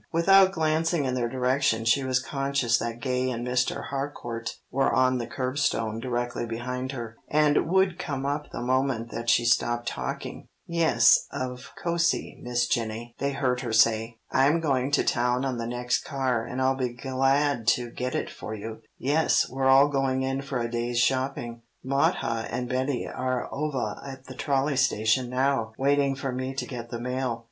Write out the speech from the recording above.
Without glancing in their direction she was conscious that Gay and Mr. Harcourt were on the curbstone directly behind her, and would come up the moment that she stopped talking. "Yes, of co'se, Miss Jennie," they heard her say. "I'm going to town on the next car, and I'll be glad to get it for you. Yes, we're all going in for a day's shopping. Mothah and Betty are ovah at the trolley station now, waiting for me to get the mail."